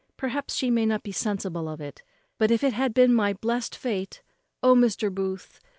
Perhaps she may not be sensible of it; but if it had been my blest fate O Mr. Booth!